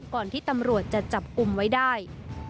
ก่อนที่ตำรวจจะจับกลุ่มไว้ได้